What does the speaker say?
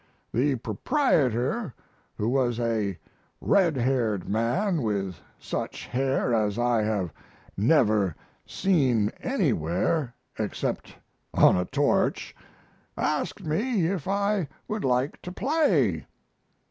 The proprietor, who was a red haired man, with such hair as I have never seen anywhere except on a torch, asked me if I would like to play.